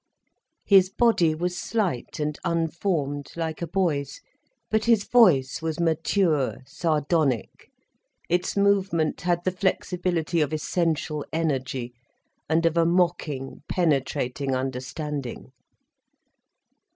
His body was slight and unformed, like a boy's, but his voice was mature, sardonic, its movement had the flexibility of essential energy, and of a mocking penetrating understanding.